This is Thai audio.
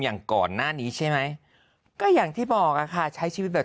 อย่างก่อนหน้านี้ใช่ไหมก็อย่างที่บอกอ่ะค่ะใช้ชีวิตแบบ